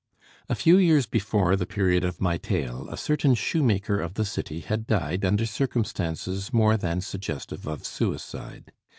A few years before the period of my tale, a certain shoemaker of the city had died under circumstances more than suggestive of suicide.